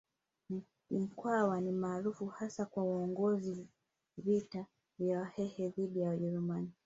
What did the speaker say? Mkwawa ni maarufu hasa kwa kuongoza vita vya Wahehe dhidi ya Wajerumani